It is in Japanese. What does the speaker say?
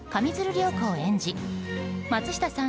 涼子を演じ松下さん